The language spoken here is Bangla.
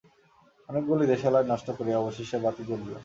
অনেকগুলি দেশালাই নষ্ট করিয়া অবশেষে বাতি জ্বলিল।